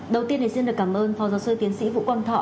đầu tiên thì xin được cảm ơn phó giáo sư tiến sĩ vũ quang thọ